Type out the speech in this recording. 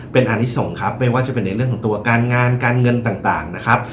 เป็นอันนี้ส่งครับไม่ว่าจะเป็นในเรื่องของตัวการงานการเงินต่างนะครับ